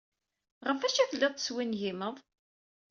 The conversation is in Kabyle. Ɣef wacu ay tellid teswingimed?